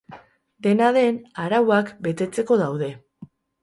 Dena den, arauak betetzeko daude.